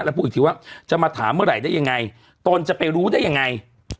แล้วพูดอีกทีว่าจะมาถามเมื่อไหร่ได้ยังไงตนจะไปรู้ได้ยังไง